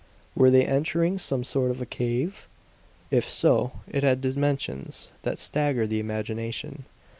Were they entering some sort of a cave? If so, it had dimensions that staggered the imagination.